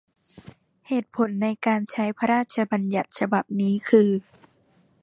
เหตุผลในการประกาศใช้พระราชบัญญัติฉบับนี้ คือ